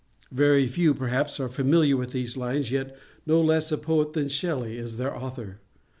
Very few perhaps are familiar with these lines—yet no less a poet than Shelley is their author.